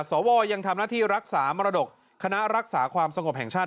สวยังทำหน้าที่รักษามรดกคณะรักษาความสงบแห่งชาติ